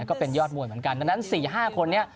ก็เป็นยอดมวยเหมือนกันดังนั้น๔๕คนนี้